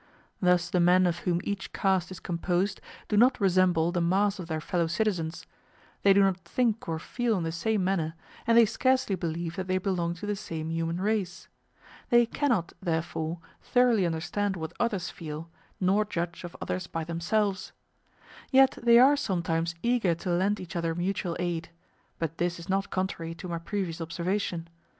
Thus the men of whom each caste is composed do not resemble the mass of their fellow citizens; they do not think or feel in the same manner, and they scarcely believe that they belong to the same human race. They cannot, therefore, thoroughly understand what others feel, nor judge of others by themselves. Yet they are sometimes eager to lend each other mutual aid; but this is not contrary to my previous observation.